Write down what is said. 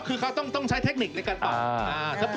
คือเขาต้องใช้เทคนิคในการตอบ